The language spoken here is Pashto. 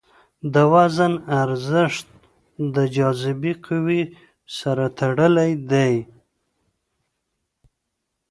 د وزن ارزښت د جاذبې قوې سره تړلی دی.